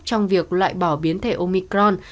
trong việc lại bỏ biến thể omicron